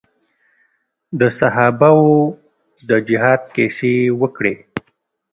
د صحابه وو د جهاد کيسې يې وکړې.